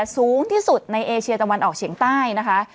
สูงที่สุดในเอเชียตะวันออกเฉียงใต้นะคะ